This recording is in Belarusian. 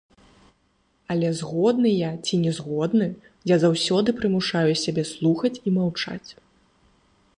Але, згодны я ці не згодны, я заўсёды прымушаю сябе слухаць і маўчаць.